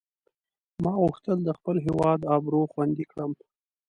ما غوښتل د خپل هیواد آبرو خوندي کړم.